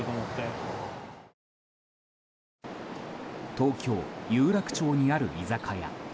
東京・有楽町にある居酒屋。